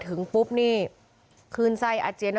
คือไม่ห่วงไม่หาวแล้วไป